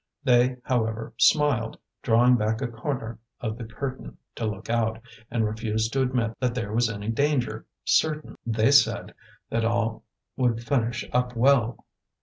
They, however, smiled, drawing back a corner of the curtain to look out, and refused to admit that there was any danger, certain, they said, that all would finish up well.